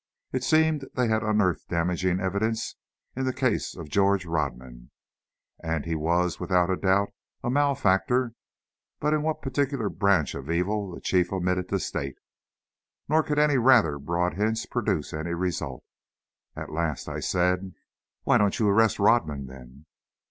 It seemed they had unearthed damaging evidence in the case of George Rodman, and he was, without a doubt, a malefactor, but in what particular branch of evil the Chief omitted to state. Nor could any rather broad hints produce any result. At last I said: "Why don't you arrest Rodman, then?"